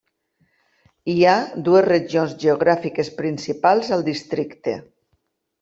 Hi ha dues regions geogràfiques principals al districte.